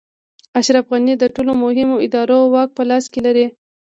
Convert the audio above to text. اشرف غني د ټولو مهمو ادارو واک په لاس کې لري.